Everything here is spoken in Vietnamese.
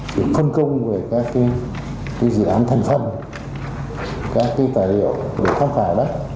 để phân công về các dự án thành phần các tài liệu để tham khảo đó